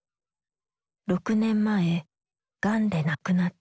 ６年前がんで亡くなった。